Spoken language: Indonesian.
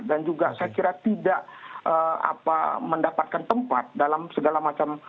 dan juga saya kira tidak mendapatkan tempat dalam segala macam